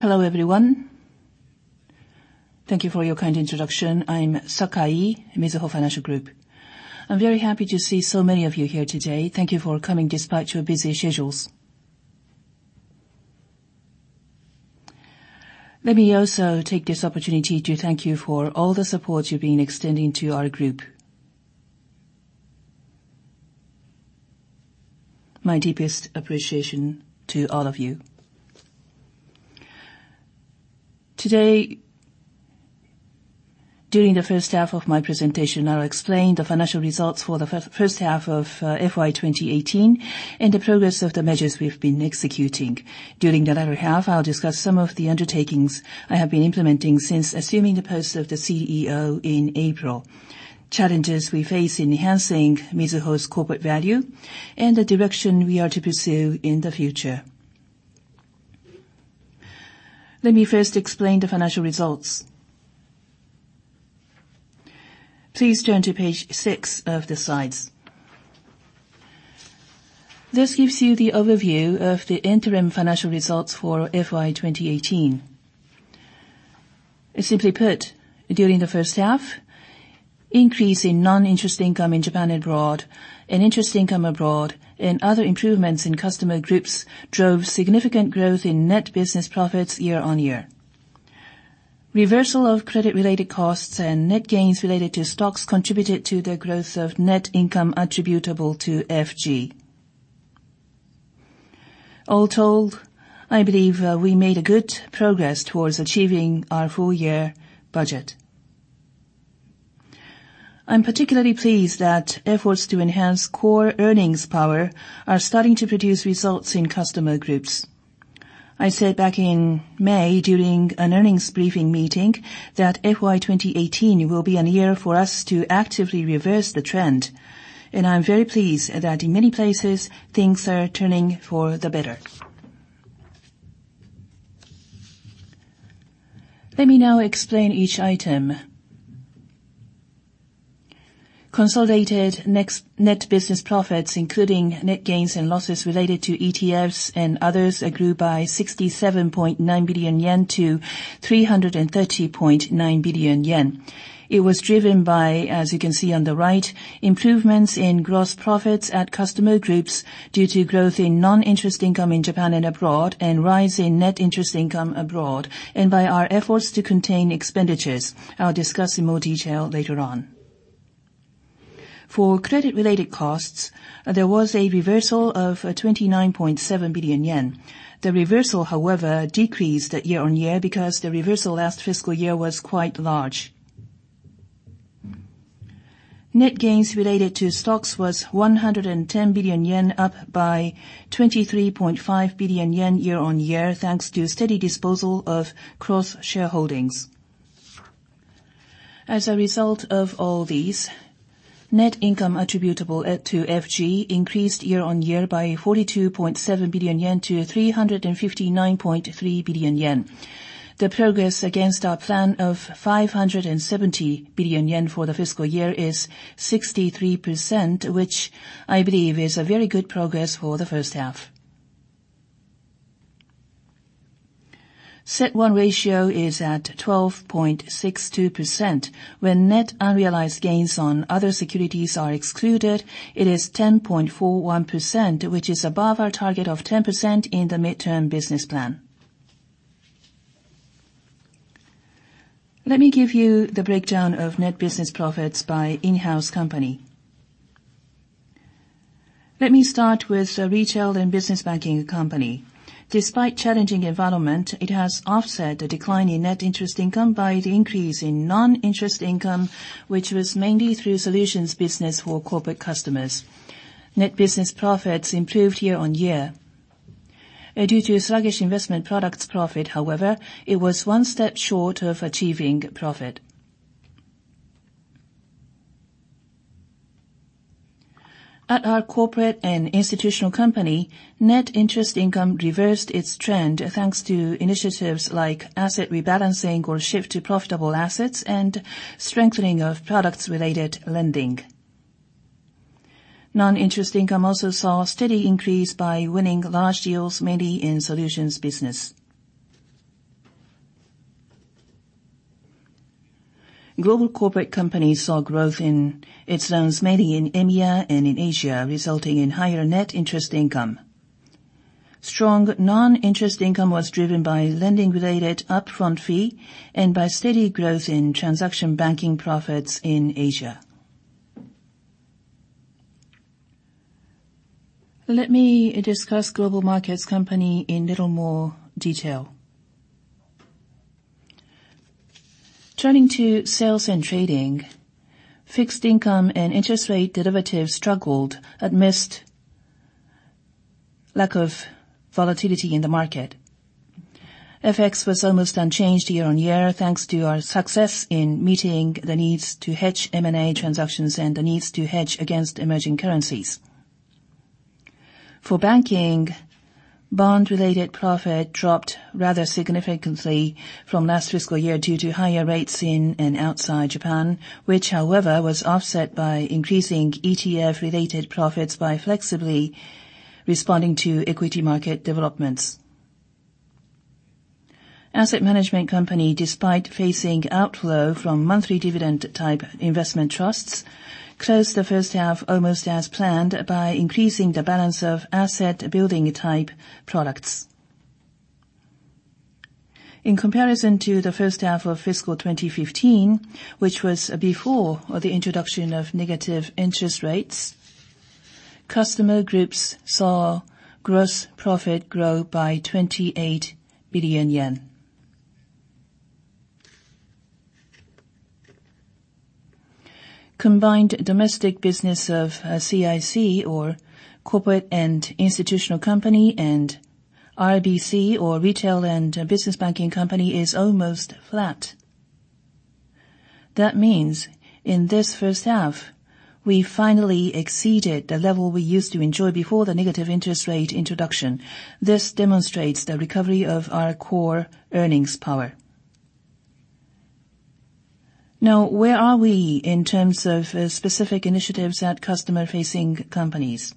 Hello, everyone. Thank you for your kind introduction. I'm Sakai, Mizuho Financial Group. I'm very happy to see so many of you here today. Thank you for coming despite your busy schedules. Let me also take this opportunity to thank you for all the support you've been extending to our group. My deepest appreciation to all of you. Today, during the first half of my presentation, I'll explain the financial results for the first half of FY 2018 and the progress of the measures we've been executing. During the latter half, I'll discuss some of the undertakings I have been implementing since assuming the post of the CEO in April, challenges we face in enhancing Mizuho's corporate value, and the direction we are to pursue in the future. Let me first explain the financial results. Please turn to page six of the slides. This gives you the overview of the interim financial results for FY 2018. Simply put, during the first half, increase in non-interest income in Japan and abroad, and interest income abroad, and other improvements in customer groups drove significant growth in net business profits year-on-year. Reversal of credit-related costs and net gains related to stocks contributed to the growth of net income attributable to FG. All told, I believe we made good progress towards achieving our full year budget. I'm particularly pleased that efforts to enhance core earnings power are starting to produce results in customer groups. I said back in May, during an earnings briefing meeting, that FY 2018 will be a year for us to actively reverse the trend, and I'm very pleased that in many places, things are turning for the better. Let me now explain each item. Consolidated net business profits, including net gains and losses related to ETFs and others, grew by 67.9 billion yen to 330.9 billion yen. It was driven by, as you can see on the right, improvements in gross profits at customer groups due to growth in non-interest income in Japan and abroad, and rise in net interest income abroad, and by our efforts to contain expenditures. I'll discuss in more detail later on. For credit-related costs, there was a reversal of 29.7 billion yen. The reversal, however, decreased year-on-year because the reversal last fiscal year was quite large. Net gains related to stocks was 110 billion yen, up by 23.5 billion yen year-on-year, thanks to steady disposal of cross-shareholdings. As a result of all these, net income attributable to FG increased year-on-year by 42.7 billion yen to 359.3 billion yen. The progress against our plan of 570 billion yen for the fiscal year is 63%, which I believe is very good progress for the first half. CET1 ratio is at 12.62%. When net unrealized gains on other securities are excluded, it is 10.41%, which is above our target of 10% in the midterm business plan. Let me give you the breakdown of net business profits by in-house company. Let me start with the Retail & Business Banking Company. Despite challenging environment, it has offset a decline in net interest income by the increase in non-interest income, which was mainly through solutions business for corporate customers. Net business profits improved year-on-year. Due to sluggish investment products profit, however, it was one step short of achieving profit. At our Corporate & Institutional Company, net interest income reversed its trend, thanks to initiatives like asset rebalancing or shift to profitable assets and strengthening of products-related lending. Non-interest income also saw a steady increase by winning large deals, mainly in solutions business. Global corporate companies saw growth in its loans mainly in EMEA and in Asia, resulting in higher net interest income. Strong non-interest income was driven by lending-related upfront fee and by steady growth in transaction banking profits in Asia. Let me discuss Global Markets Company in little more detail. Turning to sales and trading, fixed income and interest rate derivatives struggled amidst lack of volatility in the market. FX was almost unchanged year-on-year, thanks to our success in meeting the needs to hedge M&A transactions and the needs to hedge against emerging currencies. For banking, bond-related profit dropped rather significantly from last fiscal year due to higher rates in and outside Japan, which, however, was offset by increasing ETF-related profits by flexibly responding to equity market developments. Asset management company, despite facing outflow from monthly dividend-type investment trusts, closed the first half almost as planned by increasing the balance of asset building-type products. In comparison to the first half of fiscal 2015, which was before the introduction of negative interest rates, customer groups saw gross profit grow by 28 billion yen. Combined domestic business of CIC, or Corporate & Institutional Company, and RBC, or Retail & Business Banking Company, is almost flat. This means in this first half, we finally exceeded the level we used to enjoy before the negative interest rate introduction. This demonstrates the recovery of our core earnings power. Now, where are we in terms of specific initiatives at customer-facing companies?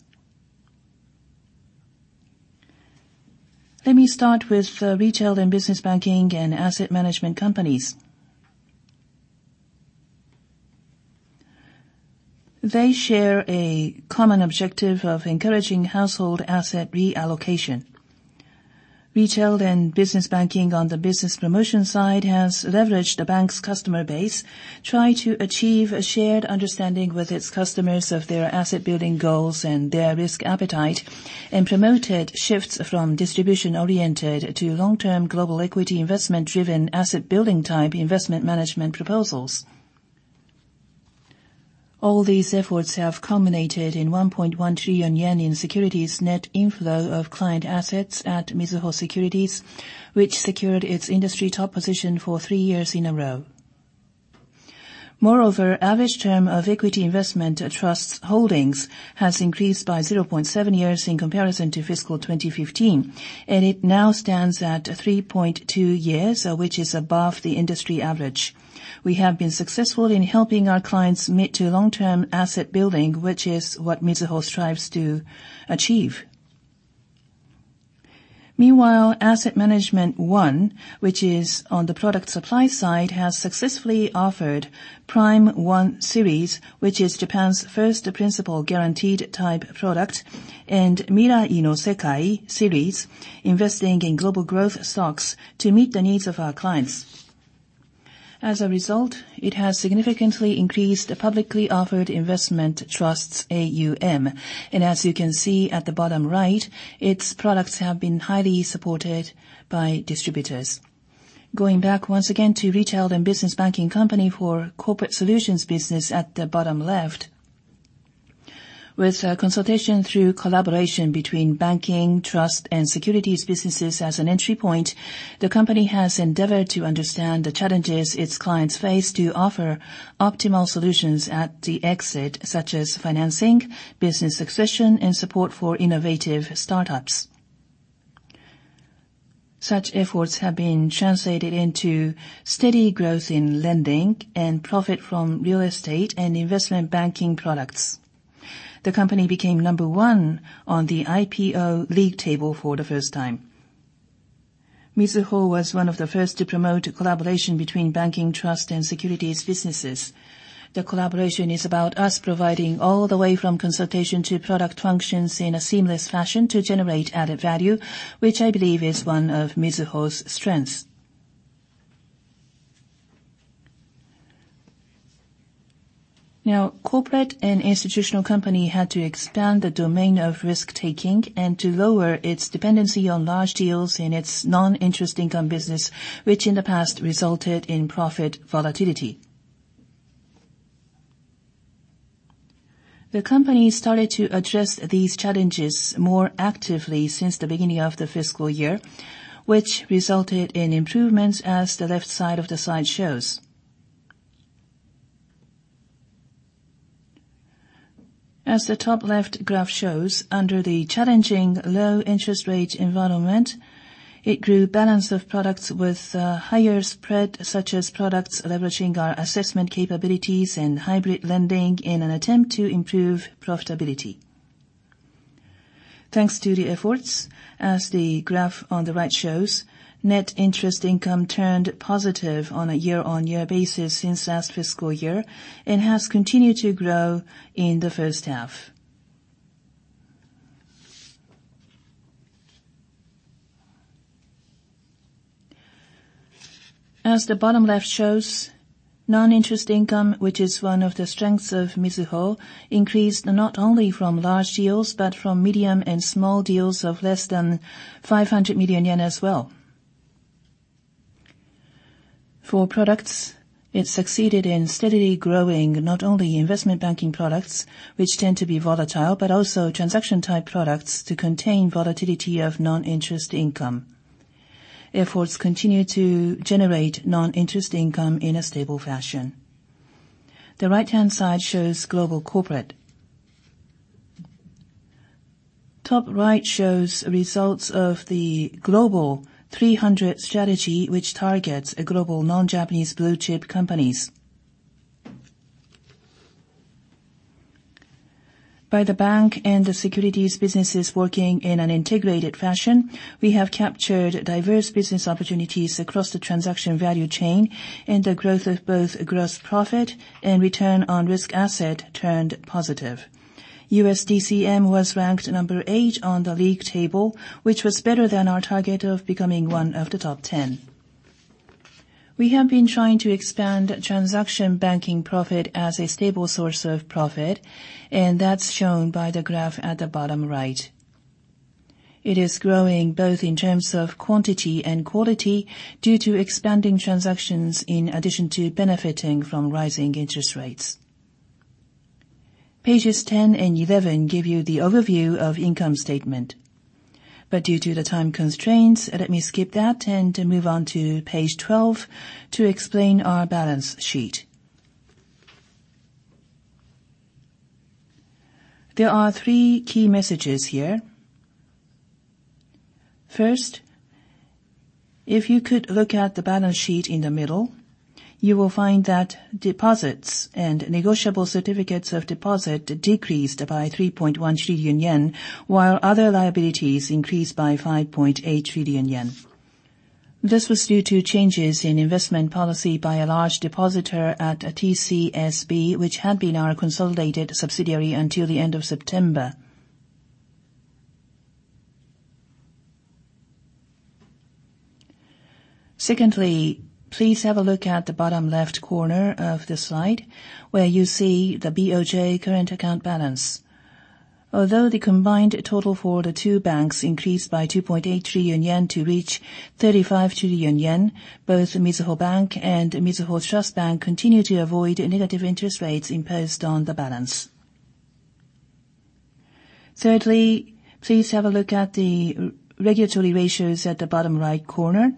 Let me start with Retail & Business Banking and asset management companies. They share a common objective of encouraging household asset reallocation. Retail & Business Banking on the business promotion side has leveraged the bank's customer base, try to achieve a shared understanding with its customers of their asset building goals and their risk appetite, and promoted shifts from distribution-oriented to long-term global equity investment-driven asset building-type investment management proposals. All these efforts have culminated in 1.1 trillion yen in securities net inflow of client assets at Mizuho Securities, which secured its industry top position for three years in a row. Moreover, average term of equity investment trusts holdings has increased by 0.7 years in comparison to fiscal 2015, and it now stands at 3.2 years, which is above the industry average. We have been successful in helping our clients commit to long-term asset building, which is what Mizuho strives to achieve. Meanwhile, Asset Management One, which is on the product supply side, has successfully offered Prime 1 Series, which is Japan's first principle-guaranteed type product, and Mirai no Sekai series, investing in global growth stocks to meet the needs of our clients. As a result, it has significantly increased publicly offered investment trusts AUM. As you can see at the bottom right, its products have been highly supported by distributors. Going back once again to Retail & Business Banking Company for corporate solutions business at the bottom left. With consultation through collaboration between banking, trust, and securities businesses as an entry point, the company has endeavored to understand the challenges its clients face to offer optimal solutions at the exit, such as financing, business succession, and support for innovative startups. Such efforts have been translated into steady growth in lending and profit from real estate and investment banking products. The company became number one on the IPO league table for the first time. Mizuho was one of the first to promote collaboration between banking, trust, and securities businesses. The collaboration is about us providing all the way from consultation to product functions in a seamless fashion to generate added value, which I believe is one of Mizuho's strengths. Corporate & institutional company had to expand the domain of risk-taking and to lower its dependency on large deals in its non-interest income business, which in the past resulted in profit volatility. The company started to address these challenges more actively since the beginning of the fiscal year, which resulted in improvements as the left side of the slide shows. As the top left graph shows, under the challenging low interest rate environment, it grew balance of products with higher spread, such as products leveraging our assessment capabilities and hybrid lending in an attempt to improve profitability. Thanks to the efforts, as the graph on the right shows, net interest income turned positive on a year-on-year basis since last fiscal year and has continued to grow in the first half. As the bottom left shows, non-interest income, which is one of the strengths of Mizuho, increased not only from large deals but from medium and small deals of less than 500 million yen as well. For products, it succeeded in steadily growing not only investment banking products, which tend to be volatile, but also transaction-type products to contain volatility of non-interest income. Efforts continue to generate non-interest income in a stable fashion. The right-hand side shows global corporate. Top right shows results of the Global 300 strategy, which targets global non-Japanese blue-chip companies. By the bank and the securities businesses working in an integrated fashion, we have captured diverse business opportunities across the transaction value chain, and the growth of both gross profit and return on risk asset turned positive. USD CM was ranked number eight on the league table, which was better than our target of becoming one of the top 10. We have been trying to expand transaction banking profit as a stable source of profit, and that's shown by the graph at the bottom right. It is growing both in terms of quantity and quality due to expanding transactions in addition to benefiting from rising interest rates. Pages 10 and 11 give you the overview of income statement. Due to the time constraints, let me skip that and move on to page 12 to explain our balance sheet. There are three key messages here. First, if you could look at the balance sheet in the middle, you will find that deposits and negotiable certificates of deposit decreased by 3.1 trillion yen, while other liabilities increased by 5.8 trillion yen. This was due to changes in investment policy by a large depositor at TCSB, which had been our consolidated subsidiary until the end of September. Secondly, please have a look at the bottom left corner of the slide, where you see the BOJ current account balance. Although the combined total for the two banks increased by 2.8 trillion yen to reach 35 trillion yen, both Mizuho Bank and Mizuho Trust Bank continue to avoid negative interest rates imposed on the balance. Thirdly, please have a look at the regulatory ratios at the bottom right corner.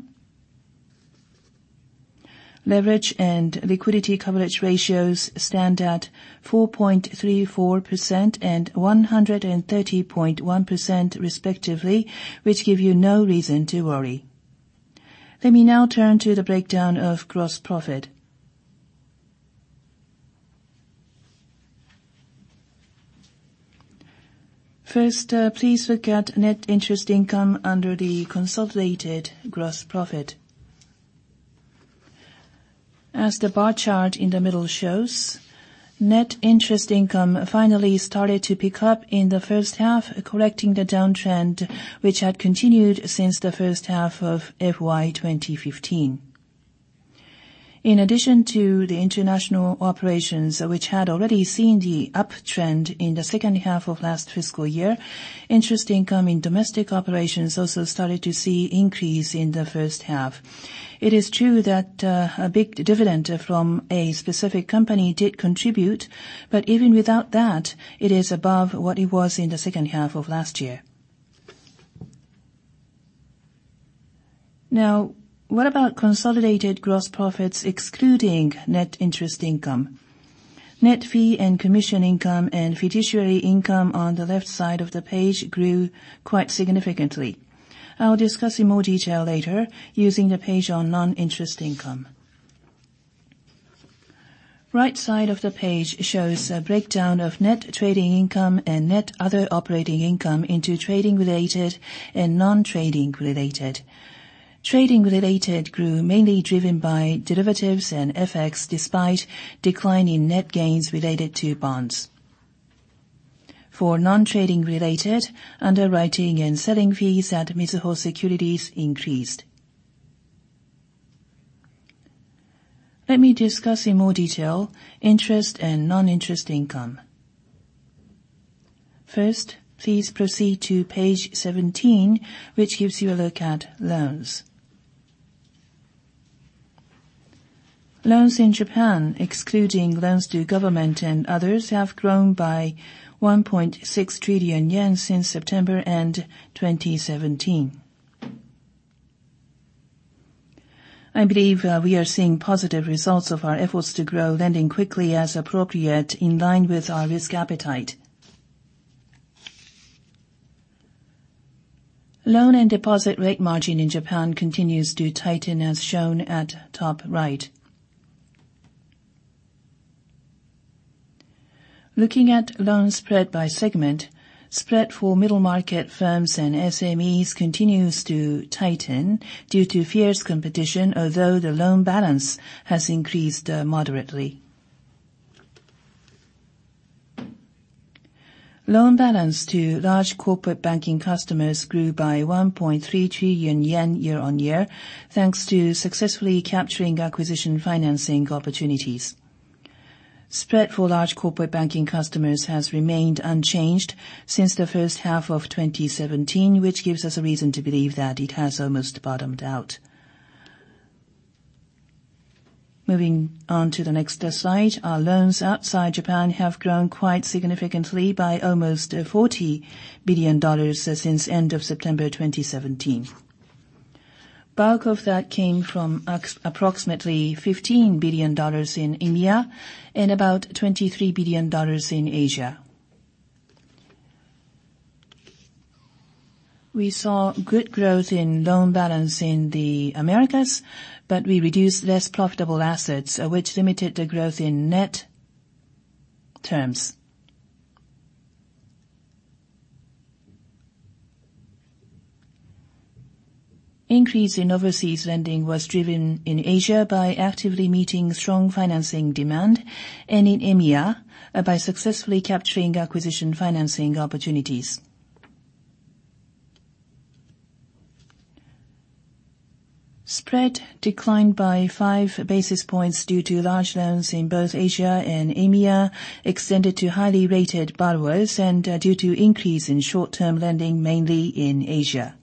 Leverage and liquidity coverage ratios stand at 4.34% and 130.1% respectively, which give you no reason to worry. Let me now turn to the breakdown of gross profit. First, please look at net interest income under the consolidated gross profit. As the bar chart in the middle shows, net interest income finally started to pick up in the first half, correcting the downtrend, which had continued since the first half of FY 2015. In addition to the international operations, which had already seen the uptrend in the second half of last fiscal year, interest income in domestic operations also started to see increase in the first half. It is true that a big dividend from a specific company did contribute, even without that, it is above what it was in the second half of last year. Now, what about consolidated gross profits excluding net interest income? Net fee and commission income and fiduciary income on the left side of the page grew quite significantly. I'll discuss in more detail later using the page on non-interest income. Right side of the page shows a breakdown of net trading income and net other operating income into trading-related and non-trading-related. Trading-related grew mainly driven by derivatives and FX despite decline in net gains related to bonds. For non-trading-related, underwriting and selling fees at Mizuho Securities increased. Let me discuss in more detail interest and non-interest income. First, please proceed to page 17, which gives you a look at loans. Loans in Japan, excluding loans to government and others, have grown by 1.6 trillion yen since September end 2017. I believe we are seeing positive results of our efforts to grow lending quickly as appropriate in line with our risk appetite. Loan and deposit rate margin in Japan continues to tighten as shown at top right. Looking at loan spread by segment, spread for middle market firms and SMEs continues to tighten due to fierce competition, although the loan balance has increased moderately. Loan balance to large corporate banking customers grew by 1.3 trillion yen year-on-year, thanks to successfully capturing acquisition financing opportunities. Spread for large corporate banking customers has remained unchanged since the first half of 2017, which gives us a reason to believe that it has almost bottomed out. Moving on to the next slide. Our loans outside Japan have grown quite significantly by almost $40 billion since end of September 2017. Bulk of that came from approximately $15 billion in India and about $23 billion in Asia. We saw good growth in loan balance in the Americas, we reduced less profitable assets, which limited the growth in net terms. Increase in overseas lending was driven in Asia by actively meeting strong financing demand and in EMEA by successfully capturing acquisition financing opportunities. Spread declined by 5 basis points due to large loans in both Asia and EMEA extended to highly rated borrowers and due to increase in short-term lending mainly in Asia.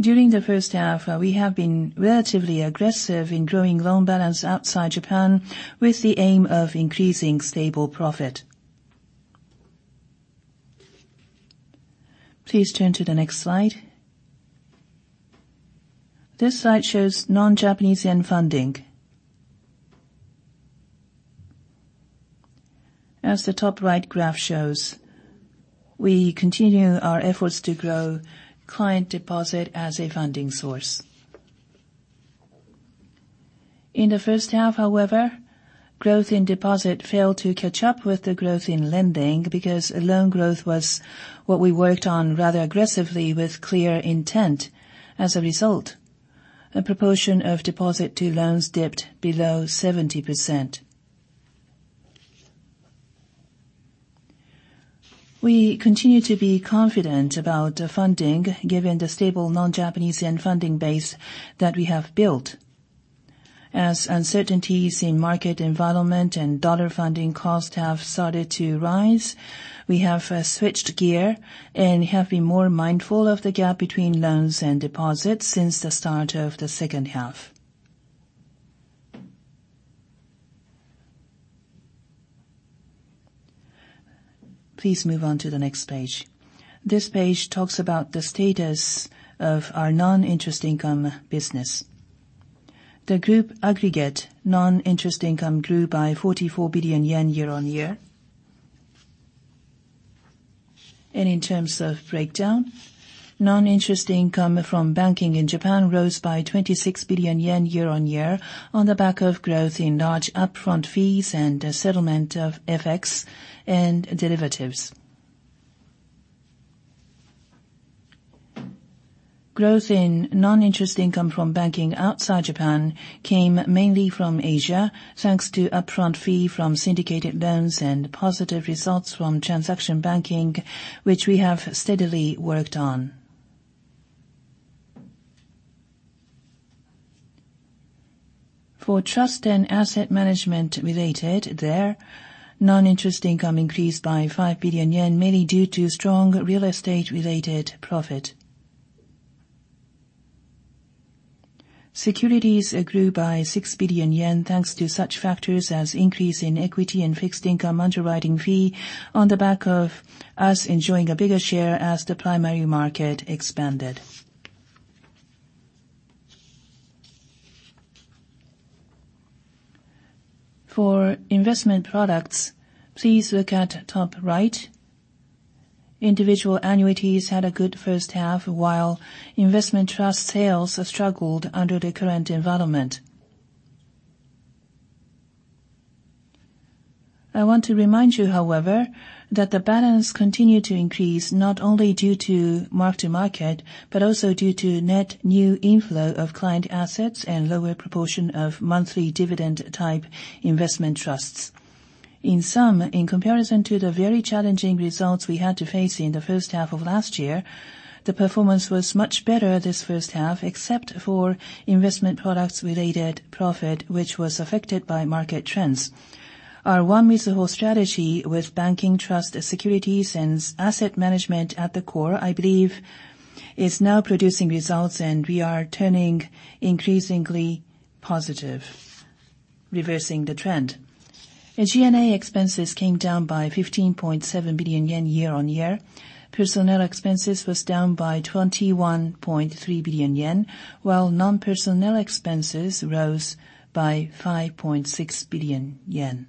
During the first half, we have been relatively aggressive in growing loan balance outside Japan with the aim of increasing stable profit. Please turn to the next slide. This slide shows non-Japanese yen funding. As the top right graph shows, we continue our efforts to grow client deposit as a funding source. In the first half, however, growth in deposit failed to catch up with the growth in lending because loan growth was what we worked on rather aggressively with clear intent. As a result, a proportion of deposit to loans dipped below 70%. We continue to be confident about funding given the stable non-Japanese yen funding base that we have built. As uncertainties in market environment and dollar funding cost have started to rise, we have switched gear and have been more mindful of the gap between loans and deposits since the start of the second half. Please move on to the next page. This page talks about the status of our non-interest income business. The group aggregate non-interest income grew by 44 billion yen year-over-year. In terms of breakdown, non-interest income from banking in Japan rose by 26 billion yen year-over-year on the back of growth in large upfront fees and settlement of FX and derivatives. Growth in non-interest income from banking outside Japan came mainly from Asia, thanks to upfront fee from syndicated loans and positive results from transaction banking, which we have steadily worked on. For trust and asset management related, their non-interest income increased by 5 billion yen, mainly due to strong real estate-related profit. Securities grew by 6 billion yen, thanks to such factors as increase in equity and fixed income underwriting fee on the back of us enjoying a bigger share as the primary market expanded. For investment products, please look at the top right. Individual annuities had a good first half, while investment trust sales struggled under the current environment. I want to remind you, however, that the balance continued to increase not only due to mark-to-market but also due to net new inflow of client assets and lower proportion of monthly dividend-type investment trusts. In sum, in comparison to the very challenging results we had to face in the first half of last year, the performance was much better this first half except for investment products-related profit, which was affected by market trends. Our One Mizuho strategy with banking trust securities and asset management at the core, I believe, is now producing results, and we are turning increasingly positive, reversing the trend. G&A expenses came down by 15.7 billion yen year-over-year. Personnel expenses was down by 21.3 billion yen, while non-personnel expenses rose by 5.6 billion yen.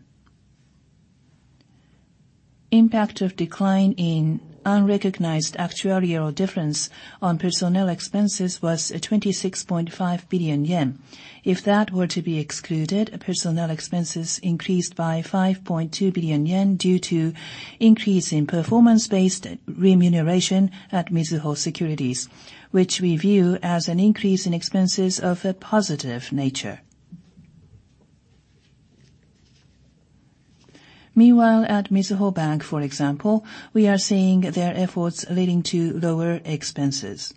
Impact of decline in unrecognized actuarial difference on personnel expenses was 26.5 billion yen. If that were to be excluded, personnel expenses increased by 5.2 billion yen due to increase in performance-based remuneration at Mizuho Securities, which we view as an increase in expenses of a positive nature. Meanwhile, at Mizuho Bank, for example, we are seeing their efforts leading to lower expenses.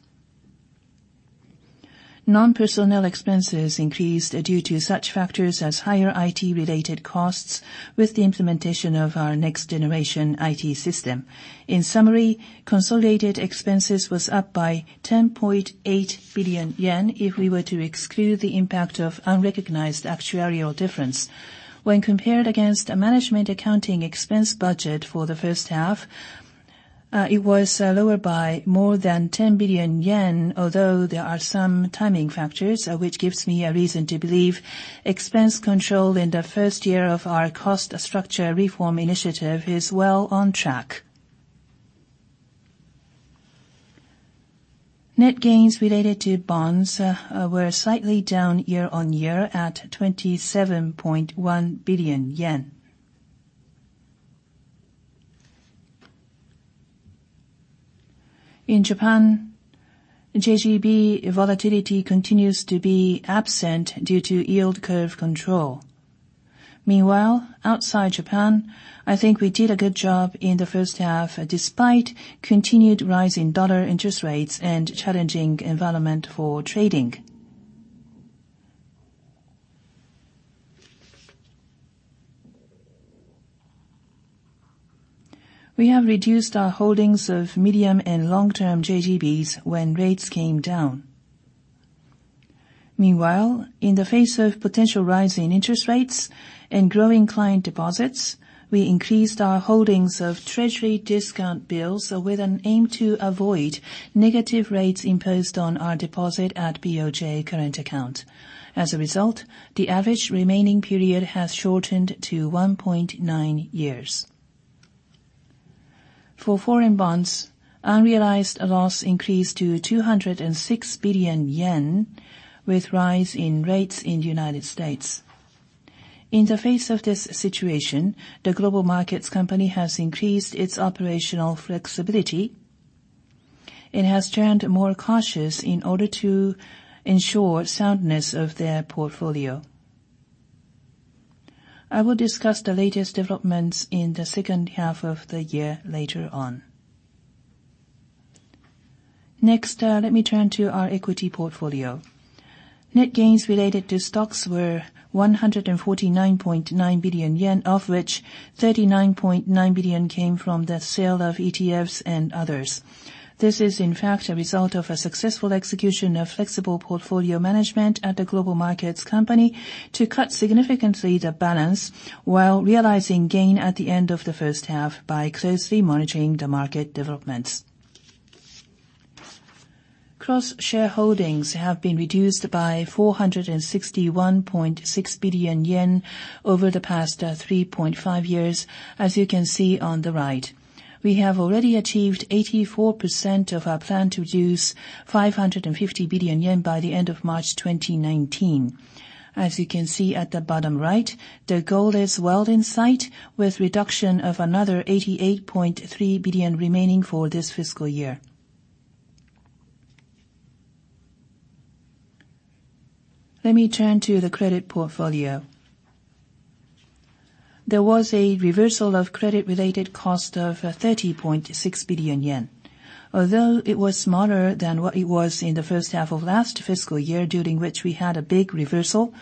Non-personnel expenses increased due to such factors as higher IT-related costs with the implementation of our next-generation IT system. In summary, consolidated expenses was up by 10.8 billion yen if we were to exclude the impact of unrecognized actuarial difference. When compared against a management accounting expense budget for the first half. It was lower by more than 10 billion yen, although there are some timing factors which gives me a reason to believe expense control in the first year of our cost structure reform initiative is well on track. Net gains related to bonds were slightly down year-over-year at 27.1 billion yen. In Japan, JGB volatility continues to be absent due to yield curve control. Meanwhile, outside Japan, I think we did a good job in the first half despite continued rise in U.S. dollar interest rates and challenging environment for trading. We have reduced our holdings of medium and long-term JGBs when rates came down. Meanwhile, in the face of potential rise in interest rates and growing client deposits, we increased our holdings of Treasury discount bills with an aim to avoid negative rates imposed on our deposit at BOJ current account. As a result, the average remaining period has shortened to 1.9 years. For foreign bonds, unrealized loss increased to 206 billion yen with rise in rates in the United States. In the face of this situation, the Global Markets Company has increased its operational flexibility. It has turned more cautious in order to ensure soundness of their portfolio. I will discuss the latest developments in the second half of the year later on. Let me turn to our equity portfolio. Net gains related to stocks were 149.9 billion yen, of which 39.9 billion came from the sale of ETFs and others. This is in fact a result of a successful execution of flexible portfolio management at the Global Markets Company to cut significantly the balance while realizing gain at the end of the first half by closely monitoring the market developments. cross-shareholdings have been reduced by 461.6 billion yen over the past 3.5 years, as you can see on the right. We have already achieved 84% of our plan to reduce 550 billion yen by the end of March 2019. As you can see at the bottom right, the goal is well in sight with reduction of another 88.3 billion remaining for this fiscal year. Let me turn to the credit portfolio. There was a reversal of credit-related cost of 30.6 billion yen. Although it was smaller than what it was in the first half of last fiscal year during which we had a big reversal,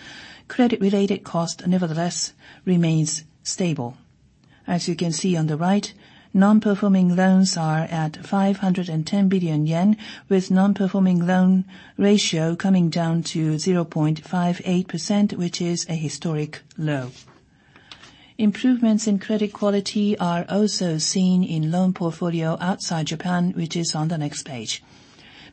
credit-related cost nevertheless remains stable. As you can see on the right, non-performing loans are at 510 billion yen with non-performing loan ratio coming down to 0.58%, which is a historic low. Improvements in credit quality are also seen in loan portfolio outside Japan, which is on the next page.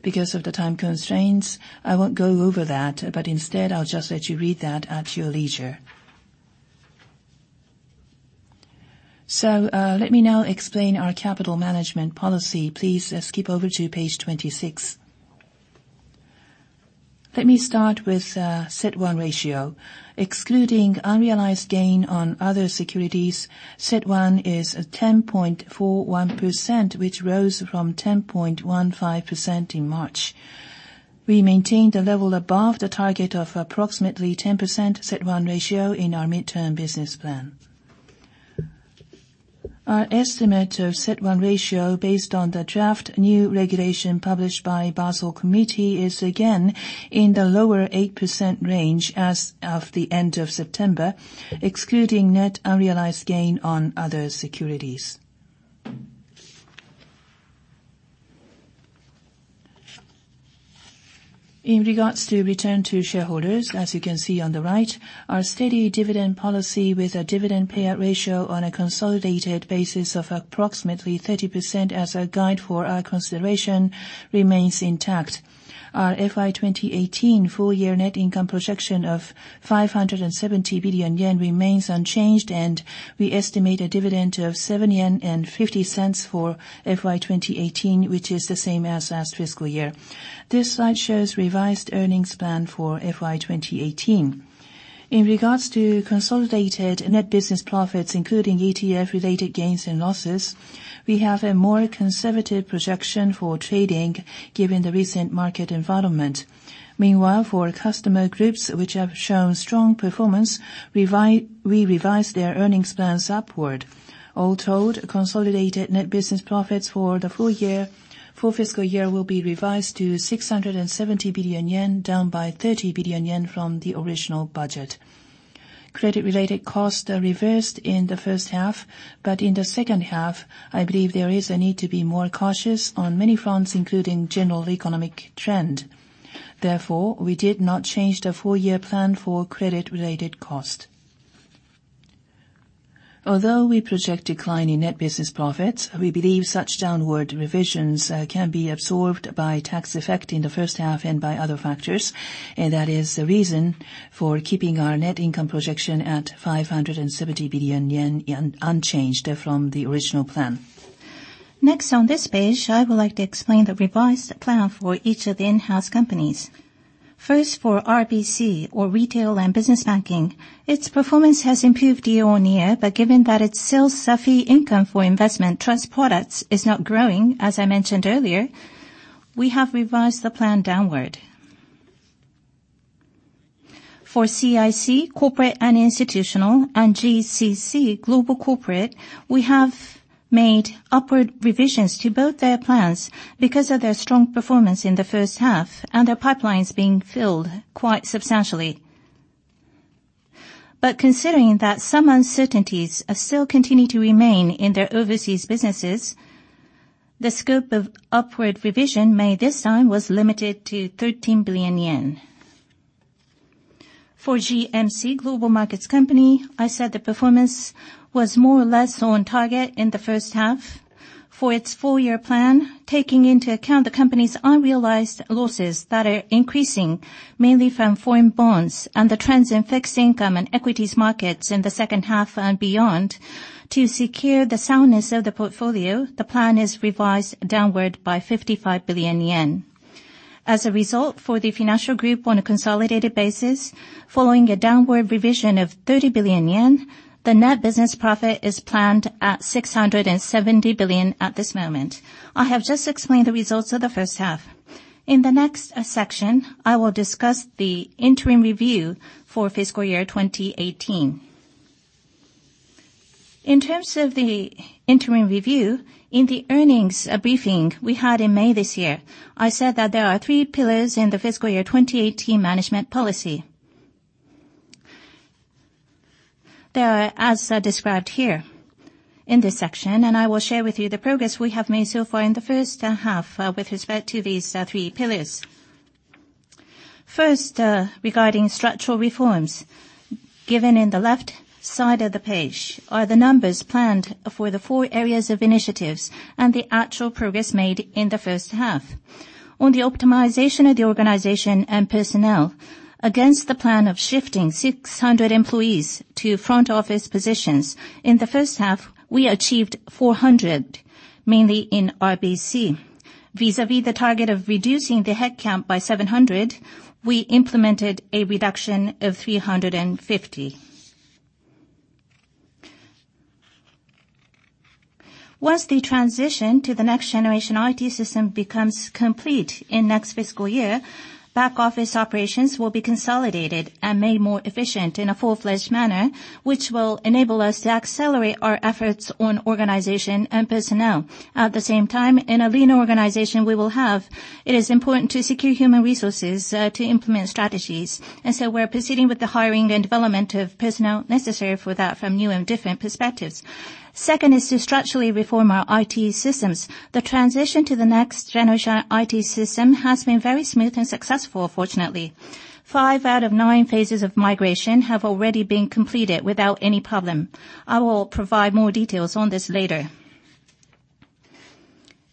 Because of the time constraints, I won't go over that, but instead, I'll just let you read that at your leisure. Let me now explain our capital management policy. Please skip over to page 26. Let me start with CET1 ratio. Excluding unrealized gain on other securities, CET1 is at 10.41%, which rose from 10.15% in March. We maintained a level above the target of approximately 10% CET1 ratio in our midterm business plan. Our estimate of CET1 ratio based on the draft new regulation published by Basel Committee is again in the lower 8% range as of the end of September, excluding net unrealized gain on other securities. In regards to return to shareholders, as you can see on the right, our steady dividend policy with a dividend payout ratio on a consolidated basis of approximately 30% as a guide for our consideration remains intact. Our FY 2018 full-year net income projection of 570 billion yen remains unchanged, and we estimate a dividend of 7.50 yen for FY 2018, which is the same as last fiscal year. This slide shows revised earnings plan for FY 2018. In regards to consolidated net business profits, including ETF-related gains and losses, we have a more conservative projection for trading given the recent market environment. Meanwhile, for customer groups which have shown strong performance, we revised their earnings plans upward. All told, consolidated net business profits for the full fiscal year will be revised to 670 billion yen, down by 30 billion yen from the original budget. Credit-related costs are reversed in the first half, but in the second half, I believe there is a need to be more cautious on many fronts, including general economic trend. We did not change the full-year plan for credit-related cost. Although we project decline in net business profits, we believe such downward revisions can be absorbed by tax effect in the first half and by other factors, and that is the reason for keeping our net income projection at 570 billion yen unchanged from the original plan. Next, on this page, I would like to explain the revised plan for each of the in-house companies. First, for RBC, or Retail & Business Banking, its performance has improved year-on-year, but given that its sales fee income for investment trust products is not growing, as I mentioned earlier, we have revised the plan downward. For CIC, Corporate & Institutional, and GCC, Global Corporate, we have made upward revisions to both their plans because of their strong performance in the first half and their pipelines being filled quite substantially. Considering that some uncertainties still continue to remain in their overseas businesses, the scope of upward revision made this time was limited to 13 billion yen. For GMC, Global Markets Company, I said the performance was more or less on target in the first half. For its full-year plan, taking into account the company's unrealized losses that are increasing, mainly from foreign bonds and the trends in fixed income and equities markets in the second half and beyond, to secure the soundness of the portfolio, the plan is revised downward by 55 billion yen. As a result, for the financial group on a consolidated basis, following a downward revision of 30 billion yen, the net business profit is planned at 670 billion at this moment. I have just explained the results of the first half. In the next section, I will discuss the interim review for fiscal year 2018. In terms of the interim review, in the earnings briefing we had in May this year, I said that there are three pillars in the fiscal year 2018 management policy. They are as described here in this section, I will share with you the progress we have made so far in the first half with respect to these three pillars. First, regarding structural reforms. Given in the left side of the page are the numbers planned for the four areas of initiatives and the actual progress made in the first half. On the optimization of the organization and personnel, against the plan of shifting 600 employees to front-office positions, in the first half we achieved 400, mainly in RBC. Vis-à-vis the target of reducing the headcount by 700, we implemented a reduction of 350. Once the transition to the next-generation IT system becomes complete in next fiscal year, back-office operations will be consolidated and made more efficient in a full-fledged manner, which will enable us to accelerate our efforts on organization and personnel. At the same time, in a lean organization we will have, it is important to secure human resources to implement strategies. We're proceeding with the hiring and development of personnel necessary for that from new and different perspectives. Second is to structurally reform our IT systems. The transition to the next-generation IT system has been very smooth and successful, fortunately. Five out of nine phases of migration have already been completed without any problem. I will provide more details on this later.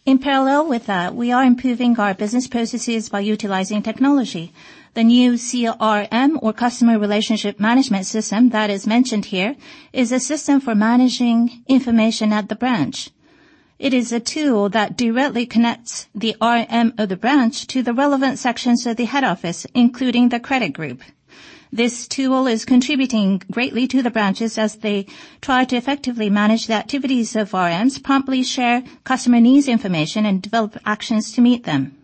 In parallel with that, we are improving our business processes by utilizing technology. The new CRM, or customer relationship management system, that is mentioned here is a system for managing information at the branch. It is a tool that directly connects the RM of the branch to the relevant sections of the head office, including the credit group. This tool is contributing greatly to the branches as they try to effectively manage the activities of RMs, promptly share customer needs information, and develop actions to meet them.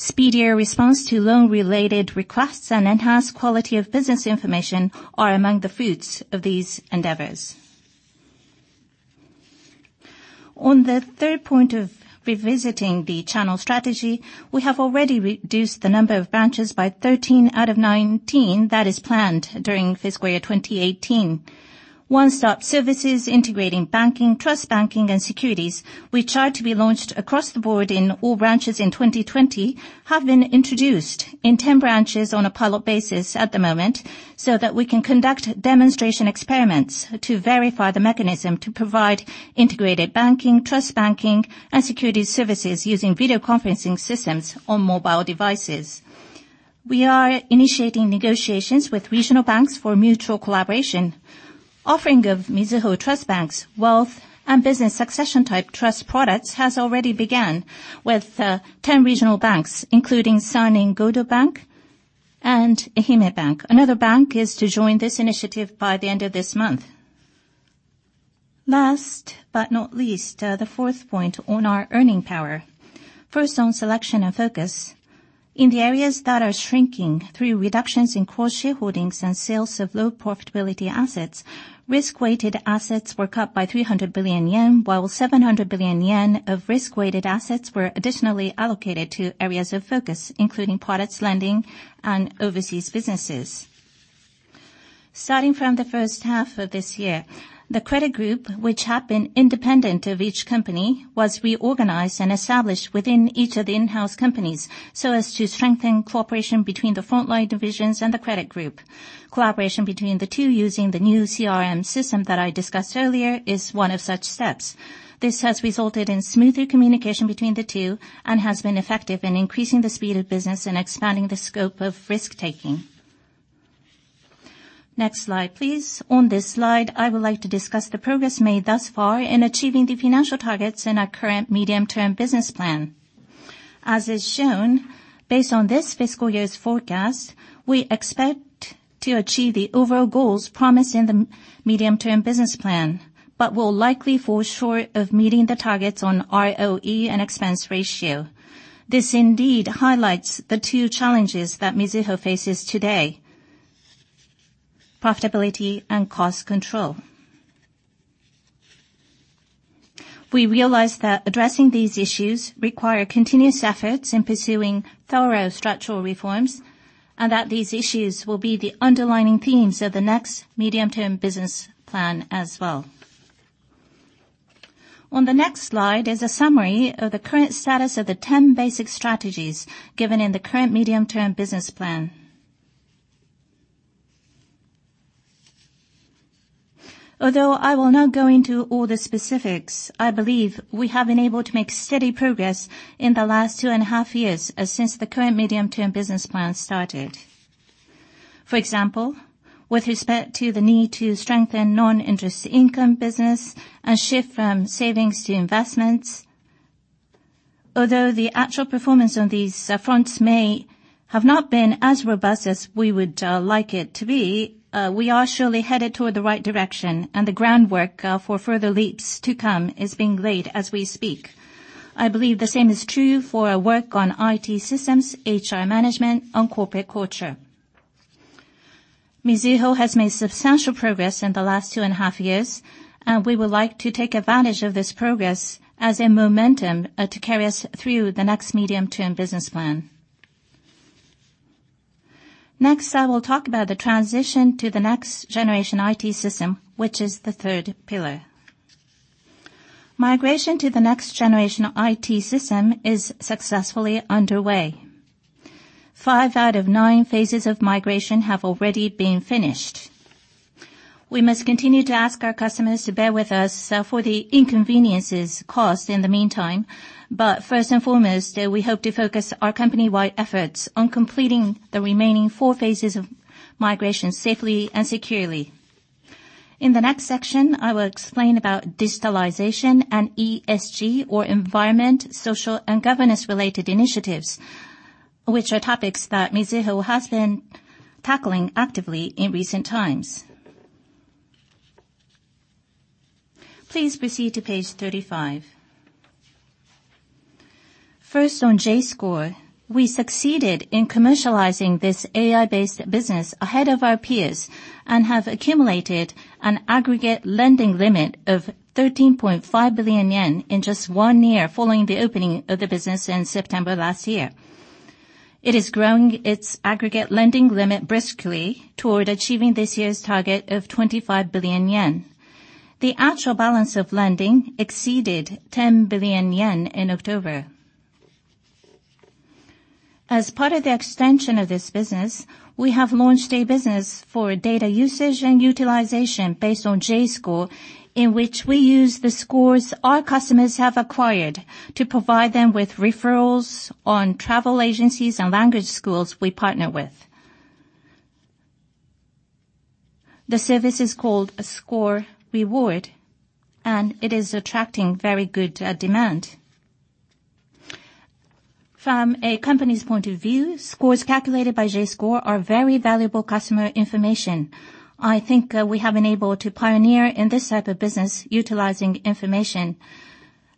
Speedier response to loan-related requests and enhanced quality of business information are among the fruits of these endeavors. On the third point of revisiting the channel strategy, we have already reduced the number of branches by 13 out of 19 that is planned during fiscal year 2018. One-stop services integrating banking, trust banking, and securities, which are to be launched across the board in all branches in 2020, have been introduced in 10 branches on a pilot basis at the moment, so that we can conduct demonstration experiments to verify the mechanism to provide integrated banking, trust banking, and securities services using video conferencing systems on mobile devices. We are initiating negotiations with regional banks for mutual collaboration. Offering of Mizuho Trust Bank's wealth and business succession-type trust products has already began with 10 regional banks, including San-in Godo Bank and Ehime Bank. Another bank is to join this initiative by the end of this month. Last but not least, the fourth point on our earning power. First on selection and focus. In the areas that are shrinking through reductions in core shareholdings and sales of low profitability assets, risk-weighted assets were cut by 300 billion yen, while 700 billion yen of risk-weighted assets were additionally allocated to areas of focus, including products lending and overseas businesses. Starting from the first half of this year, the credit group, which had been independent of each company, was reorganized and established within each of the in-house companies so as to strengthen cooperation between the frontline divisions and the credit group. Collaboration between the two using the new CRM system that I discussed earlier is one of such steps. This has resulted in smoother communication between the two and has been effective in increasing the speed of business and expanding the scope of risk-taking. Next slide, please. On this slide, I would like to discuss the progress made thus far in achieving the financial targets in our current medium-term business plan. As is shown, based on this fiscal year's forecast, we expect to achieve the overall goals promised in the medium-term business plan, but will likely fall short of meeting the targets on ROE and expense ratio. This indeed highlights the two challenges that Mizuho faces today, profitability and cost control. We realize that addressing these issues require continuous efforts in pursuing thorough structural reforms, and that these issues will be the underlying themes of the next medium-term business plan as well. On the next slide is a summary of the current status of the 10 basic strategies given in the current medium-term business plan. Although I will not go into all the specifics, I believe we have been able to make steady progress in the last two and a half years, as since the current medium-term business plan started. For example, with respect to the need to strengthen non-interest income business and shift from savings to investments. Although the actual performance on these fronts may have not been as robust as we would like it to be, we are surely headed toward the right direction, and the groundwork for further leaps to come is being laid as we speak. I believe the same is true for our work on IT systems, HR management, and corporate culture. Mizuho has made substantial progress in the last two and a half years, and we would like to take advantage of this progress as a momentum to carry us through the next medium-term business plan. Next, I will talk about the transition to the next generation IT system, which is the third pillar. Migration to the next generation IT system is successfully underway. Five out of nine phases of migration have already been finished. We must continue to ask our customers to bear with us for the inconveniences caused in the meantime, but first and foremost, we hope to focus our company-wide efforts on completing the remaining four phases of migration safely and securely. In the next section, I will explain about digitalization and ESG, or environment, social, and governance-related initiatives, which are topics that Mizuho has been tackling actively in recent times. Please proceed to page 35. First, on J.Score, we succeeded in commercializing this AI-based business ahead of our peers and have accumulated an aggregate lending limit of 13.5 billion yen in just one year following the opening of the business in September last year. It is growing its aggregate lending limit briskly toward achieving this year's target of 25 billion yen. The actual balance of lending exceeded 10 billion yen in October. As part of the extension of this business, we have launched a business for data usage and utilization based on J.Score, in which we use the scores our customers have acquired to provide them with referrals on travel agencies and language schools we partner with. The service is called Score Reward, and it is attracting very good demand. From a company's point of view, scores calculated by J.Score are very valuable customer information. I think we have been able to pioneer in this type of business utilizing information.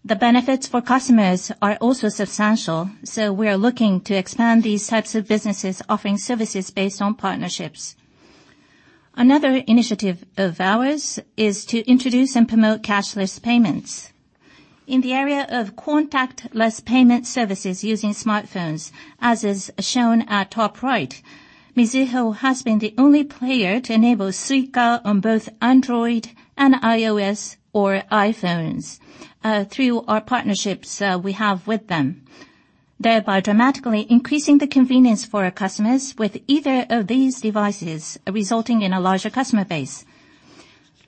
The benefits for customers are also substantial, so we are looking to expand these types of businesses offering services based on partnerships. Another initiative of ours is to introduce and promote cashless payments. In the area of contactless payment services using smartphones, as is shown at top right, Mizuho has been the only player to enable Suica on both Android and iOS or iPhones through our partnerships we have with them, thereby dramatically increasing the convenience for our customers with either of these devices, resulting in a larger customer base.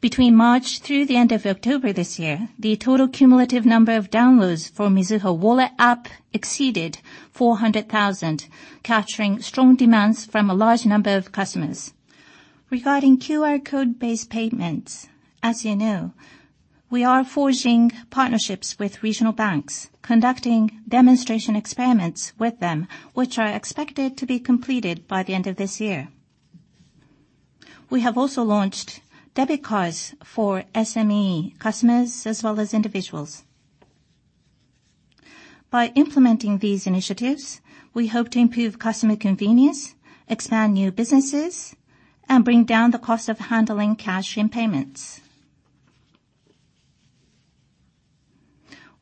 Between March through the end of October this year, the total cumulative number of downloads for Mizuho Wallet app exceeded 400,000, capturing strong demands from a large number of customers. Regarding QR code-based payments, as you know, we are forging partnerships with regional banks, conducting demonstration experiments with them, which are expected to be completed by the end of this year. We have also launched debit cards for SME customers as well as individuals. By implementing these initiatives, we hope to improve customer convenience, expand new businesses, and bring down the cost of handling cash in payments.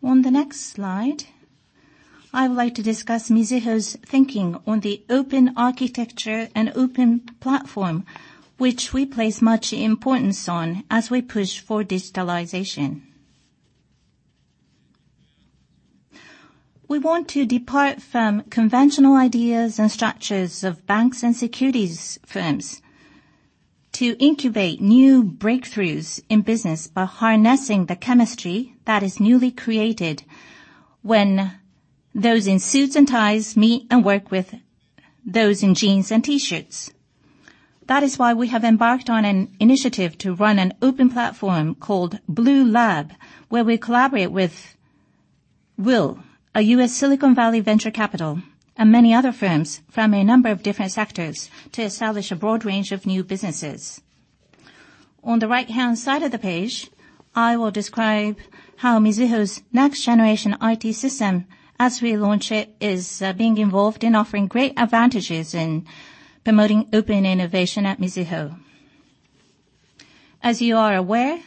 On the next slide, I would like to discuss Mizuho's thinking on the open architecture and open platform, which we place much importance on as we push for digitalization. We want to depart from conventional ideas and structures of banks and securities firms to incubate new breakthroughs in business by harnessing the chemistry that is newly created when those in suits and ties meet and work with those in jeans and T-shirts. That is why we have embarked on an initiative to run an open platform called Blue Lab, where we collaborate with WiL, a U.S. Silicon Valley venture capital, and many other firms from a number of different sectors to establish a broad range of new businesses. On the right-hand side of the page, I will describe how Mizuho's next-generation IT system, as we launch it, is being involved in offering great advantages in promoting open innovation at Mizuho. As you are aware,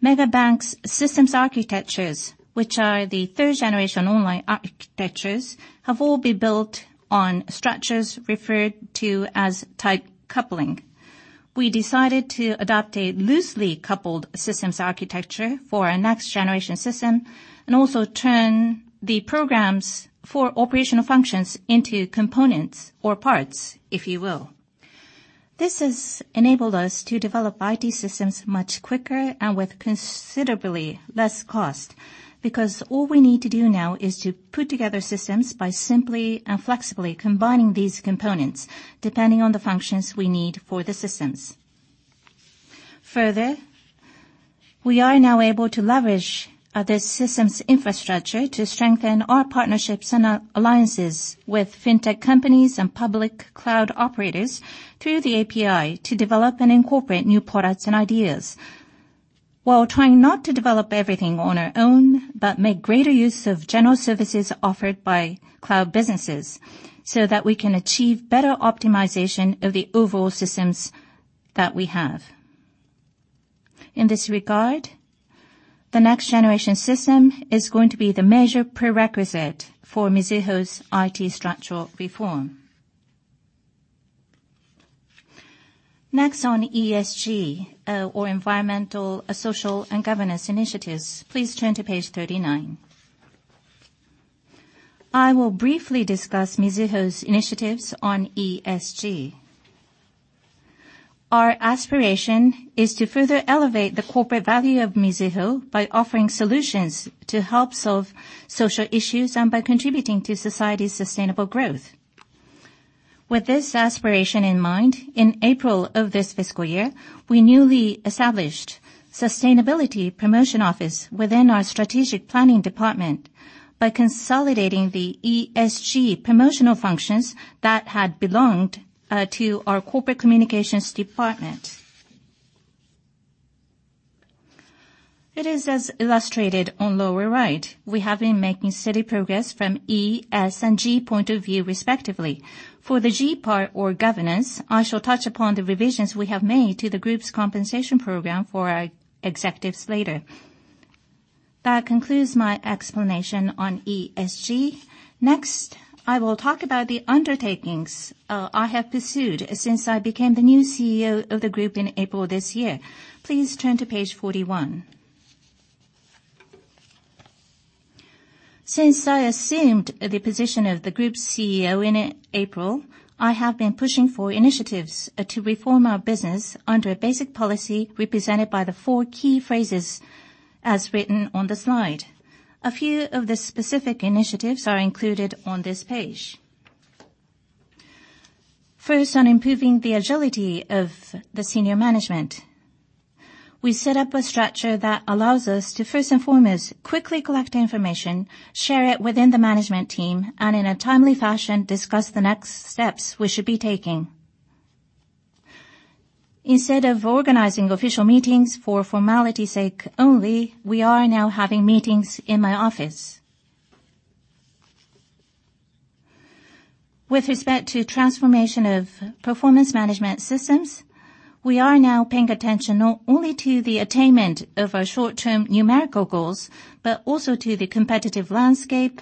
mega banks systems architectures, which are the third-generation online architectures, have all been built on structures referred to as tight coupling. We decided to adopt a loosely coupled systems architecture for our next-generation system and also turn the programs for operational functions into components or parts, if you will. This has enabled us to develop IT systems much quicker and with considerably less cost because all we need to do now is to put together systems by simply and flexibly combining these components depending on the functions we need for the systems. Further, we are now able to leverage this system's infrastructure to strengthen our partnerships and our alliances with fintech companies and public cloud operators through the API to develop and incorporate new products and ideas while trying not to develop everything on our own, but make greater use of general services offered by cloud businesses so that we can achieve better optimization of the overall systems that we have. In this regard, the next-generation system is going to be the major prerequisite for Mizuho's IT structural reform. Next on ESG, or environmental, social, and governance initiatives. Please turn to page 39. I will briefly discuss Mizuho's initiatives on ESG. Our aspiration is to further elevate the corporate value of Mizuho by offering solutions to help solve social issues and by contributing to society's sustainable growth. With this aspiration in mind, in April of this fiscal year, we newly established Sustainability Promotion Office within our strategic planning department by consolidating the ESG promotional functions that had belonged to our corporate communications department. It is as illustrated on lower right. We have been making steady progress from E, S, and G point of view respectively. For the G part, or governance, I shall touch upon the revisions we have made to the group's compensation program for our executives later. That concludes my explanation on ESG. Next, I will talk about the undertakings I have pursued since I became the new CEO of the group in April this year. Please turn to page 41. Since I assumed the position of the group CEO in April, I have been pushing for initiatives to reform our business under a basic policy represented by the four key phrases as written on the slide. A few of the specific initiatives are included on this page. On improving the agility of the senior management. We set up a structure that allows us to, first and foremost, quickly collect information, share it within the management team, and in a timely fashion, discuss the next steps we should be taking. Instead of organizing official meetings for formality's sake only, we are now having meetings in my office. With respect to transformation of performance management systems, we are now paying attention not only to the attainment of our short-term numerical goals, but also to the competitive landscape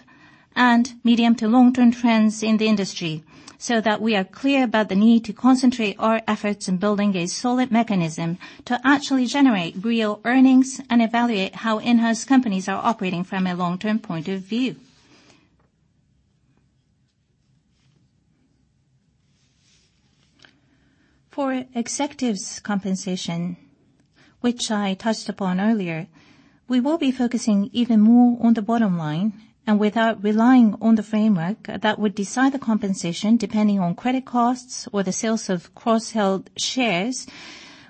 and medium to long-term trends in the industry, so that we are clear about the need to concentrate our efforts in building a solid mechanism to actually generate real earnings and evaluate how in-house companies are operating from a long-term point of view. For executives' compensation, which I touched upon earlier, we will be focusing even more on the bottom line. And without relying on the framework that would decide the compensation depending on credit costs or the sales of cross-held shares,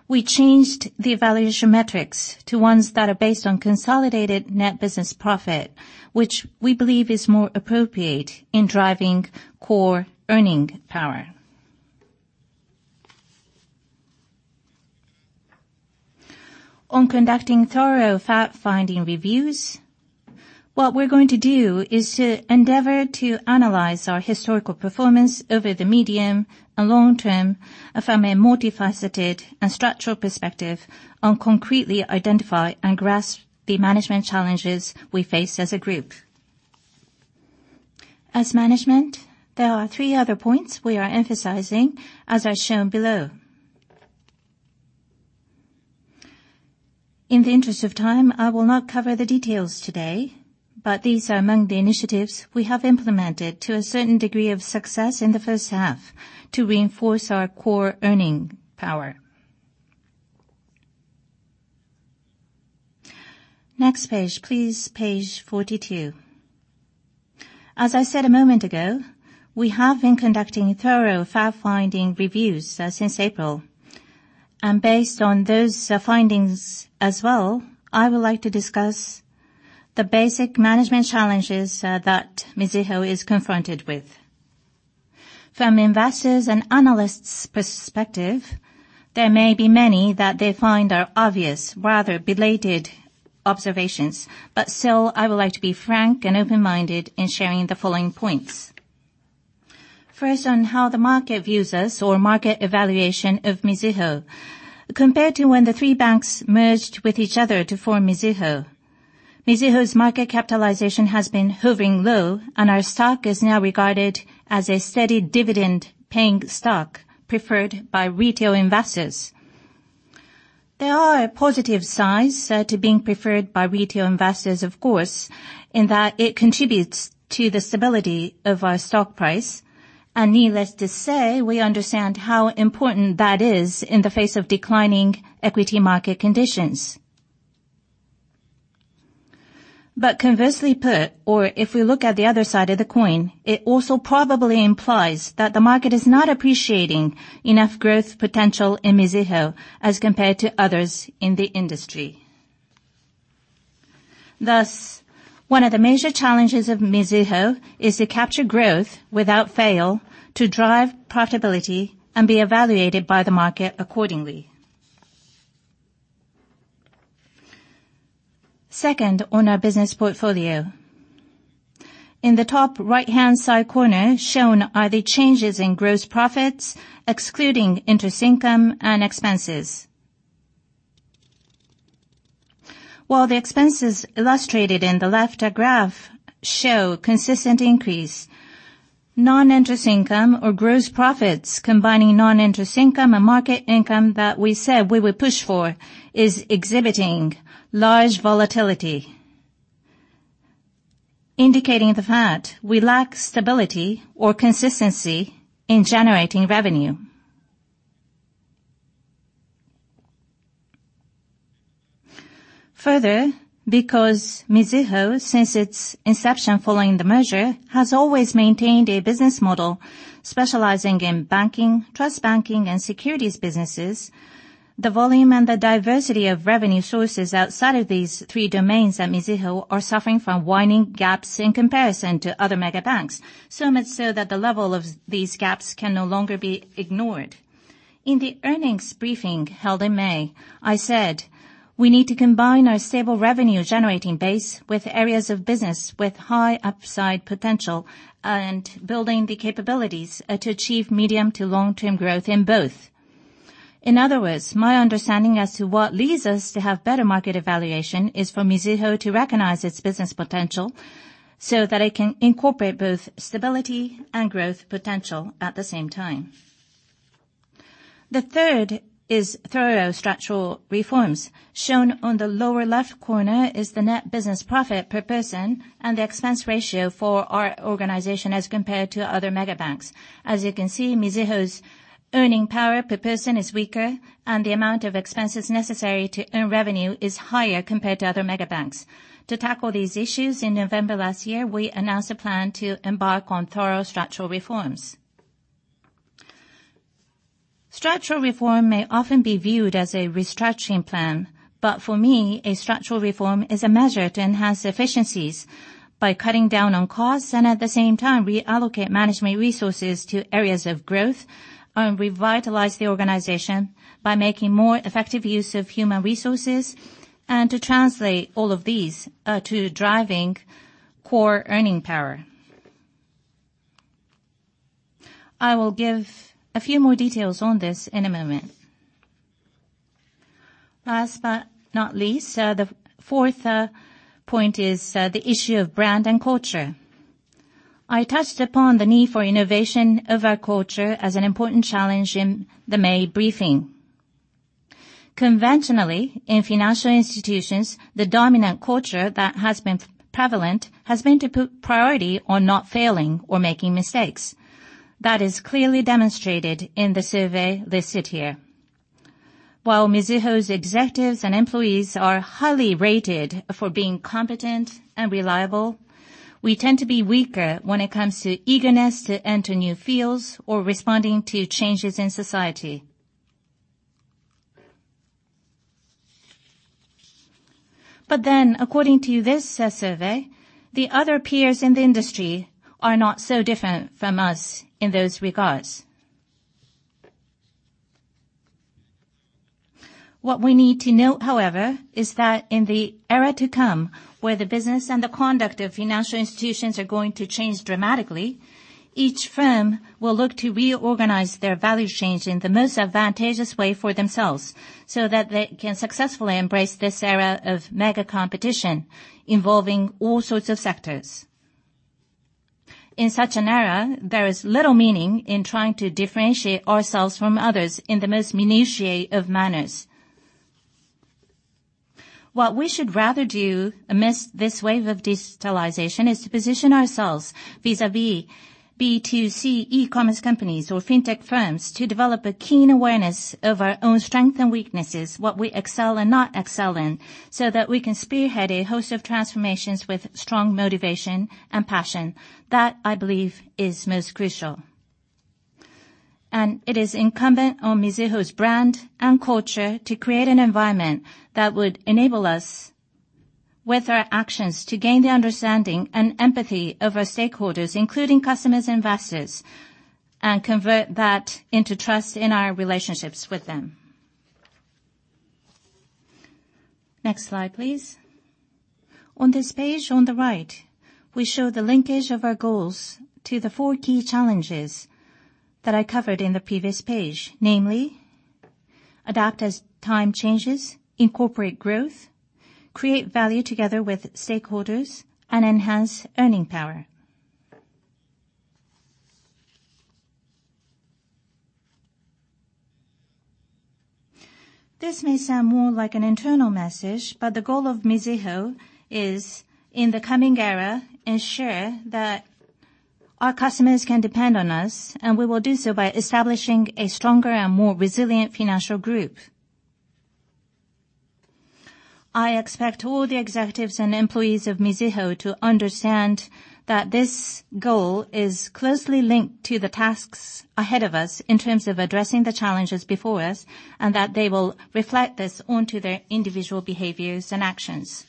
we changed the evaluation metrics to ones that are based on consolidated net business profit, which we believe is more appropriate in driving core earning power. On conducting thorough fact-finding reviews, what we're going to do is to endeavor to analyze our historical performance over the medium and long term from a multifaceted and structural perspective and concretely identify and grasp the management challenges we face as a group. As management, there are three other points we are emphasizing, as are shown below. In the interest of time, I will not cover the details today, but these are among the initiatives we have implemented to a certain degree of success in the first half to reinforce our core earning power. Next page, please. Page 42. As I said a moment ago, we have been conducting thorough fact-finding reviews since April, and based on those findings as well, I would like to discuss the basic management challenges that Mizuho is confronted with. From investors' and analysts' perspective, there may be many that they find are obvious, rather belated observations, but still, I would like to be frank and open-minded in sharing the following points. First, on how the market views us or market evaluation of Mizuho. Compared to when the three banks merged with each other to form Mizuho's market capitalization has been hovering low and our stock is now regarded as a steady dividend-paying stock preferred by retail investors. There are positive signs to being preferred by retail investors, of course, in that it contributes to the stability of our stock price, and needless to say, we understand how important that is in the face of declining equity market conditions. Conversely put, or if we look at the other side of the coin, it also probably implies that the market is not appreciating enough growth potential in Mizuho as compared to others in the industry. Thus, one of the major challenges of Mizuho is to capture growth without fail, to drive profitability and be evaluated by the market accordingly. Second, on our business portfolio. In the top right-hand side corner shown are the changes in gross profits excluding interest income and expenses. While the expenses illustrated in the left graph show consistent increase, non-interest income or gross profits combining non-interest income and market income that we said we would push for is exhibiting large volatility, indicating the fact we lack stability or consistency in generating revenue. Because Mizuho, since its inception following the merger, has always maintained a business model specializing in banking, trust banking and securities businesses, the volume and the diversity of revenue sources outside of these three domains at Mizuho are suffering from widening gaps in comparison to other mega banks, so much so that the level of these gaps can no longer be ignored. In the earnings briefing held in May, I said we need to combine our stable revenue-generating base with areas of business with high upside potential and building the capabilities to achieve medium to long-term growth in both. In other words, my understanding as to what leads us to have better market evaluation is for Mizuho to recognize its business potential so that it can incorporate both stability and growth potential at the same time. The third is thorough structural reforms. Shown on the lower-left corner is the net business profit per person and the expense ratio for our organization as compared to other mega banks. As you can see, Mizuho's earning power per person is weaker and the amount of expenses necessary to earn revenue is higher compared to other mega banks. To tackle these issues, in November last year, we announced a plan to embark on thorough structural reforms. For me, a structural reform is a measure to enhance efficiencies by cutting down on costs and at the same time reallocate management resources to areas of growth and revitalize the organization by making more effective use of human resources and to translate all of these to driving core earning power. I will give a few more details on this in a moment. Last but not least, the fourth point is the issue of brand and culture. I touched upon the need for innovation of our culture as an important challenge in the May briefing. Conventionally, in financial institutions, the dominant culture that has been prevalent has been to put priority on not failing or making mistakes. That is clearly demonstrated in the survey listed here. While Mizuho's executives and employees are highly rated for being competent and reliable, we tend to be weaker when it comes to eagerness to enter new fields or responding to changes in society. According to this survey, the other peers in the industry are not so different from us in those regards. What we need to note, however, is that in the era to come, where the business and the conduct of financial institutions are going to change dramatically. Each firm will look to reorganize their value chains in the most advantageous way for themselves, so that they can successfully embrace this era of mega competition involving all sorts of sectors. In such an era, there is little meaning in trying to differentiate ourselves from others in the most minutiae of manners. What we should rather do amidst this wave of digitalization is to position ourselves vis-a-vis B2C e-commerce companies or fintech firms to develop a keen awareness of our own strength and weaknesses, what we excel and not excel in, so that we can spearhead a host of transformations with strong motivation and passion. That, I believe, is most crucial. It is incumbent on Mizuho's brand and culture to create an environment that would enable us with our actions to gain the understanding and empathy of our stakeholders, including customers, investors, and convert that into trust in our relationships with them. Next slide, please. On this page on the right, we show the linkage of our goals to the four key challenges that I covered in the previous page, namely, adapt as time changes, incorporate growth, create value together with stakeholders, and enhance earning power. This may sound more like an internal message, the goal of Mizuho is, in the coming era, ensure that our customers can depend on us, and we will do so by establishing a stronger and more resilient financial group. I expect all the executives and employees of Mizuho to understand that this goal is closely linked to the tasks ahead of us in terms of addressing the challenges before us, and that they will reflect this onto their individual behaviors and actions.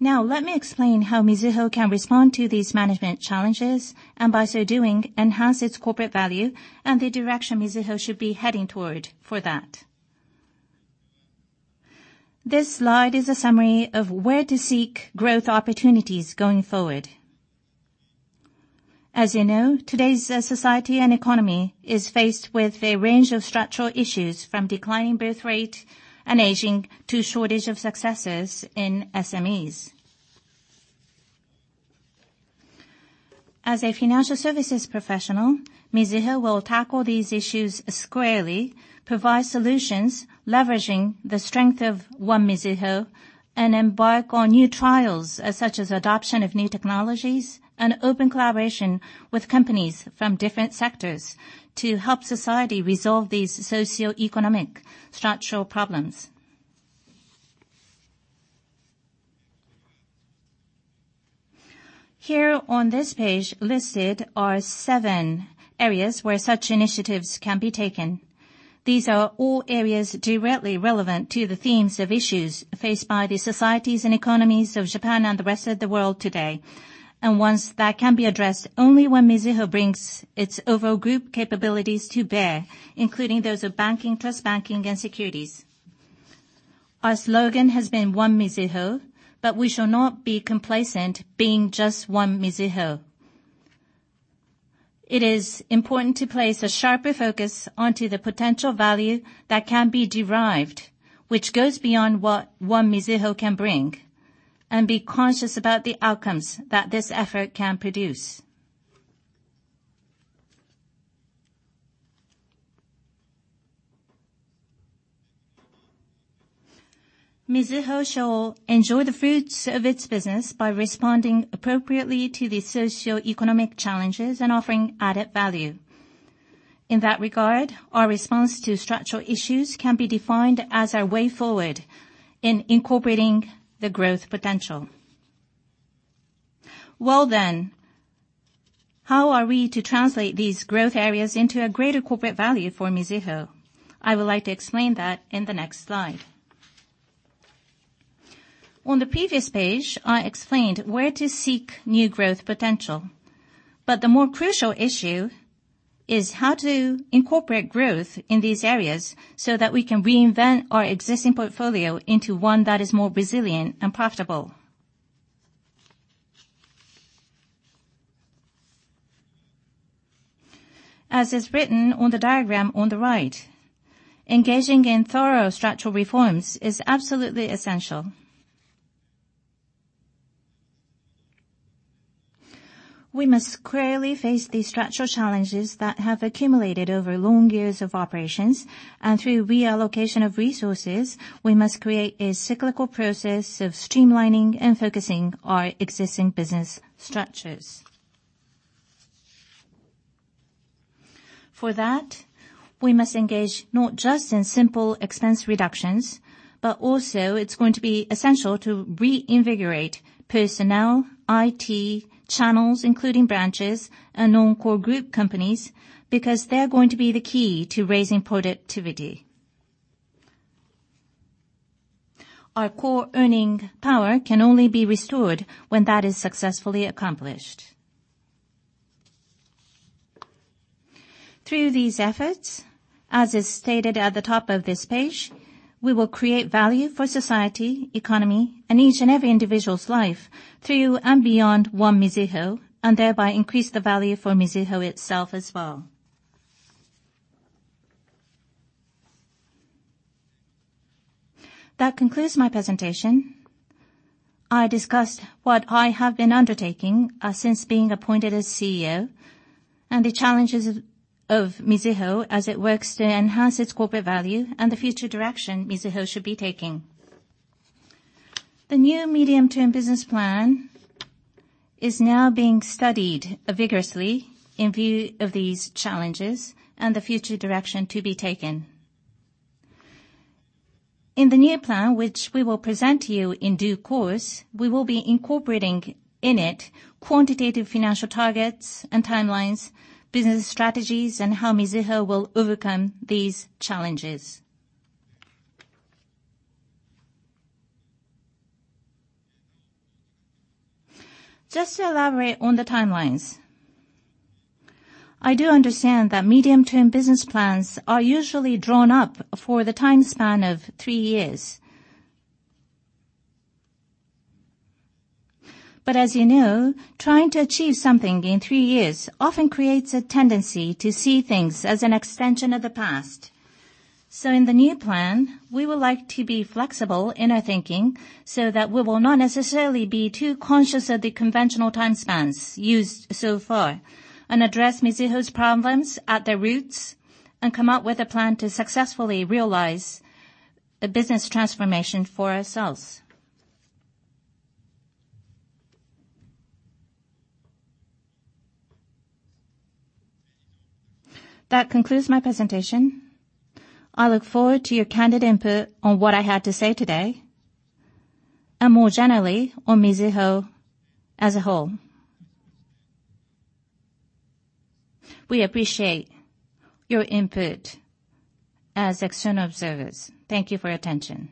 Let me explain how Mizuho can respond to these management challenges, and by so doing, enhance its corporate value and the direction Mizuho should be heading toward for that. This slide is a summary of where to seek growth opportunities going forward. As you know, today's society and economy is faced with a range of structural issues from declining birthrate and aging to shortage of successes in SMEs. As a financial services professional, Mizuho will tackle these issues squarely, provide solutions leveraging the strength of One Mizuho, and embark on new trials such as adoption of new technologies and open collaboration with companies from different sectors to help society resolve these socioeconomic structural problems. Here on this page, listed are seven areas where such initiatives can be taken. These are all areas directly relevant to the themes of issues faced by the societies and economies of Japan and the rest of the world today, and ones that can be addressed only when Mizuho brings its overall group capabilities to bear, including those of banking, trust banking, and securities. Our slogan has been One Mizuho, we shall not be complacent being just One Mizuho. It is important to place a sharper focus onto the potential value that can be derived, which goes beyond what One Mizuho can bring, and be conscious about the outcomes that this effort can produce. Mizuho shall enjoy the fruits of its business by responding appropriately to the socioeconomic challenges and offering added value. In that regard, our response to structural issues can be defined as our way forward in incorporating the growth potential. How are we to translate these growth areas into a greater corporate value for Mizuho? I would like to explain that in the next slide. On the previous page, I explained where to seek new growth potential. The more crucial issue is how to incorporate growth in these areas so that we can reinvent our existing portfolio into one that is more resilient and profitable. As is written on the diagram on the right, engaging in thorough structural reforms is absolutely essential. We must squarely face the structural challenges that have accumulated over long years of operations, and through reallocation of resources, we must create a cyclical process of streamlining and focusing our existing business structures. For that, we must engage not just in simple expense reductions, but also it's going to be essential to reinvigorate personnel, IT, channels, including branches and non-core group companies, because they're going to be the key to raising productivity. Our core earning power can only be restored when that is successfully accomplished. Through these efforts, as is stated at the top of this page, we will create value for society, economy, and each and every individual's life through and beyond One Mizuho, and thereby increase the value for Mizuho itself as well. That concludes my presentation. I discussed what I have been undertaking since being appointed as CEO, and the challenges of Mizuho as it works to enhance its corporate value and the future direction Mizuho should be taking. The new medium-term business plan is now being studied vigorously in view of these challenges and the future direction to be taken. In the new plan, which we will present to you in due course, we will be incorporating in it quantitative financial targets and timelines, business strategies, and how Mizuho will overcome these challenges. Just to elaborate on the timelines, I do understand that medium-term business plans are usually drawn up for the time span of three years. As you know, trying to achieve something in three years often creates a tendency to see things as an extension of the past. In the new plan, we would like to be flexible in our thinking so that we will not necessarily be too conscious of the conventional time spans used so far, and address Mizuho's problems at their roots and come up with a plan to successfully realize a business transformation for ourselves. That concludes my presentation. I look forward to your candid input on what I had to say today, and more generally on Mizuho as a whole. We appreciate your input as external observers. Thank you for your attention.